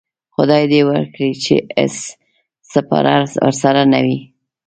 خدای دې وکړي چې اس سپاره ورسره نه وي.